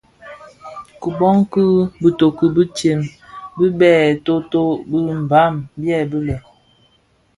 Kiboň ki bitoki bitsem bi byè totorèn bi Mbam byèbi lè: